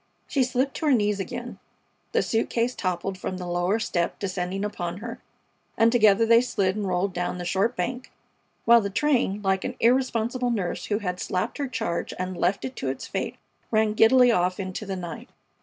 She slipped to her knees again, the suit case, toppled from the lower step, descending upon her, and together they slid and rolled down the short bank, while the train, like an irresponsible nurse who had slapped her charge and left it to its fate, ran giddily off into the night.